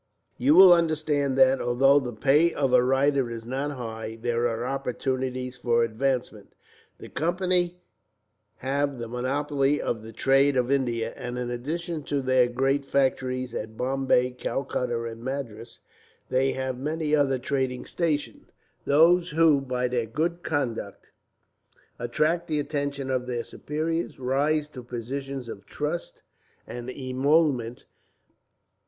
You will understand that, although the pay of a writer is not high, there are opportunities for advancement. The Company have the monopoly of the trade of India, and in addition to their great factories at Bombay, Calcutta, and Madras, they have many other trading stations. Those who, by their good conduct, attract the attention of their superiors, rise to positions of trust and emolument.